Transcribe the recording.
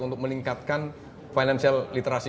untuk melingkatkan financial literasi